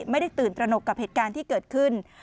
ไม่ได้ตื่นตระหนกกับเหตุการณ์ที่เกิดขึ้น